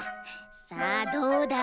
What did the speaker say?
さあどうだ？